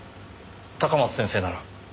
高松先生なら。